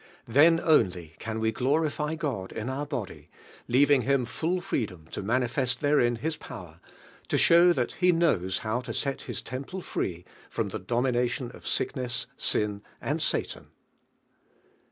Then only can we glorify God in onr body, leaving Him full freedom to manifest therein His power, to show that He knows how to set His temple free from the domination of sick ness, sin and Satan.